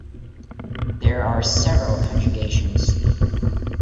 There are several conjugations.